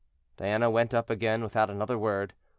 Diana went up again without another word.